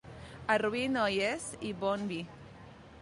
A Rubí, noies i bon vi.